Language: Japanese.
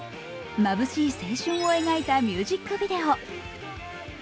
まぶしい青春を描いたミュージックビデオ。